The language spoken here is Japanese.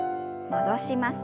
戻します。